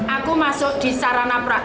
aku masuk di sarananya